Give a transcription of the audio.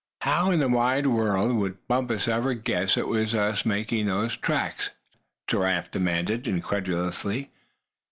"How in the wide world would Bumpus ever guess it was us made the tracks?" Giraffe demanded, incredulously.